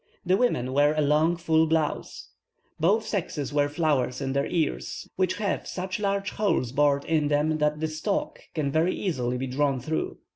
The women wear a long full blouse. Both sexes wear flowers in their ears, which have such large holes bored in them that the stalk can very easily be drawn through.